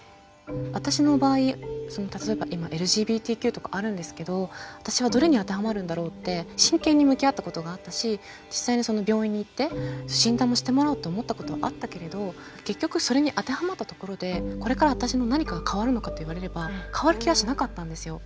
私の場合例えば今ＬＧＢＴＱとかあるんですけど私はどれに当てはまるんだろうって真剣に向き合ったことがあったし実際に病院に行って診断もしてもらおうと思ったことあったけれど結局それに当てはまったところでこれから私の何かが変わるのかと言われれば変わる気はしなかったんですよ。